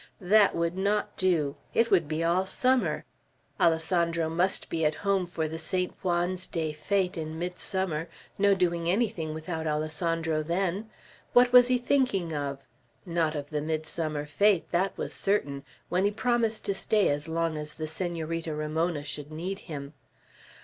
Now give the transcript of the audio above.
That would not do. It would be all summer. Alessandro must be at home for the Saint Juan's Day fete, in midsummer, no doing anything without Alessandro then. What was he thinking of? Not of the midsummer fete, that was certain, when he promised to stay as long as the Senorita Ramona should need him.